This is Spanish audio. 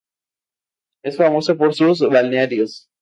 Es famoso por sus balnearios.